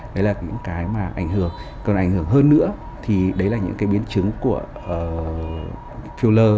đấy là những cái mà còn ảnh hưởng hơn nữa thì đấy là những cái biến chứng của filler